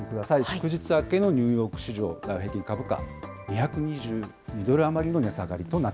祝日明けのニューヨーク市場、ダウ平均株価、２２２ドル余りの値